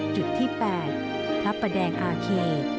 จุดที่๘พระประแดงอาเค